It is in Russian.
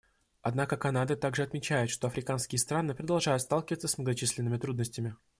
Однако Канада также отмечает, что африканские страны продолжают сталкиваться с многочисленными трудностями.